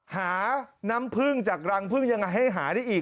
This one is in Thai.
หาน้ำพึ่งจากรังพึ่งยังไงให้หาได้อีก